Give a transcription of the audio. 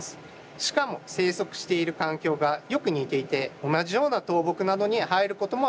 しかも生息している環境がよく似ていて同じような倒木などに生えることもあるんです。